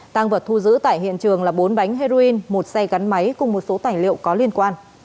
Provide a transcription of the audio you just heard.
tăng vật thu giữ tại hiện trường là bốn bánh heroin một xe gắn máy cùng một số tài liệu có liên quan